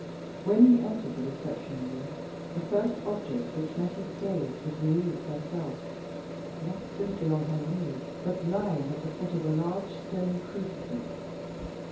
When he entered the reception room, the first object which met his gaze was Louise herself, not simply on her knees, but lying at the foot of a large stone crucifix.